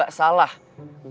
gue yang salah juga